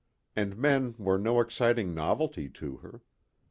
And men were no exciting novelty to her.